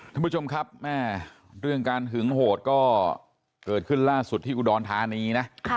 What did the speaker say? ท่านผู้ชมครับแม่เรื่องการหึงโหดก็เกิดขึ้นล่าสุดที่อุดรธานีนะ